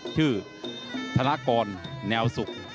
ชื่อธนากรแนวสุข